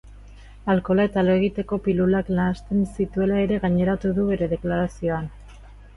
Alkohola eta lo egiteko pilulak nahasten zituela ere gaineratu du, bere deklarazioan.